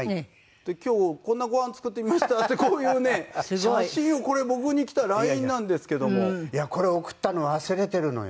で「今日こんなご飯作ってみました」ってこういうね写真をこれ僕に来たＬＩＮＥなんですけども。いやこれ送ったの忘れているのよ。